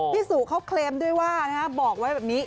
พี่สู่เขาเคลมด้วยว่าบอกไว้แบบนี้